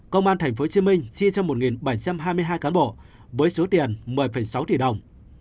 công an tp hcm chi cho một bảy trăm hai mươi hai cán bộ với số tiền một mươi sáu tỷ đồng